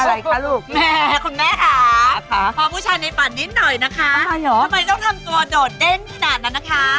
อะไรคะลูกแม่คุณแม่ค่ะพอผู้ชายในฝันนิดหน่อยนะคะทำไมต้องทำตัวโดดเด้งขนาดนั้นนะคะ